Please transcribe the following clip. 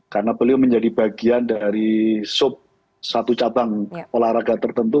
karena beliau menjadi bagian dari sub satu cabang olahraga tertentu